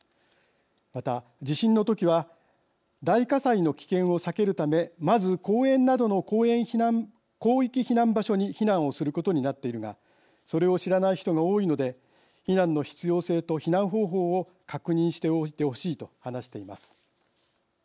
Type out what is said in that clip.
また地震の時は大火災の危険を避けるためまず、公園などの広域避難場所に避難をすることになっているがそれを知らない人が多いので避難の必要性と避難方法を確認しておいてほしいと話しています。